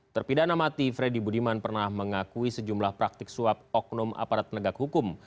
terpidana mati freddy budiman pernah mengakui sejumlah praktik suap oknum aparat penegak hukum